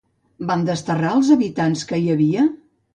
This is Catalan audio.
Van desterrar els habitants qui hi havia?